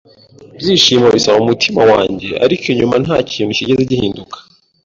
ibyishimo bisaba umutima wanjye, ariko inyuma nta kintu cyigeze gihinduka